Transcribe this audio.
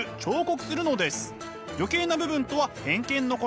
余計な部分とは偏見のこと。